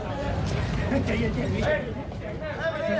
เจ๋ง